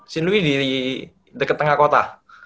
st louis di deket tengah kota